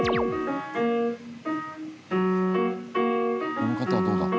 この方はどうだ？